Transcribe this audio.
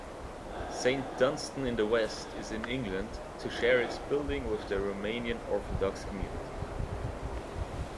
Saint Dunstan-in-the-West is in England to share its building with the Romanian Orthodox community.